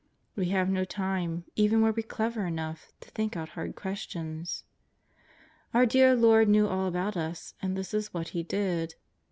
We have no time, even were we clever enough, to think out hard questions. Our dear Lord knew all about us, and this is what He did.